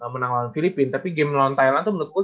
menang lawan filipina tapi game lawan thailand itu menurut gue